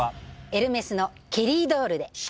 エルメスのケリードールで。